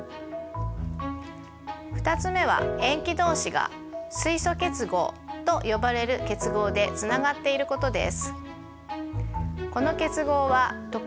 ２つ目は塩基どうしが水素結合と呼ばれる結合でつながっていることです。